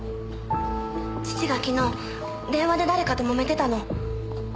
父がきのう電話で誰かともめてたのを。